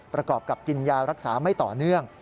ประกอบกับกินยารักษาไม่ต่อเนื่อง